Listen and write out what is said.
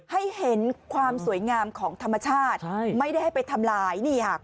ให้เห็นความสวยงามของธรรมชาติไม่ได้ให้ไปทำลายนี่ค่ะ